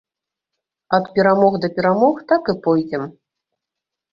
Ад перамог да перамог так і пойдзем.